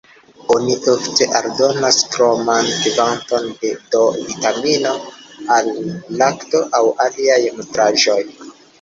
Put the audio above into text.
Oni ofte aldonas kroman kvanton de D-vitamino al lakto aŭ aliaj nutraĵoj.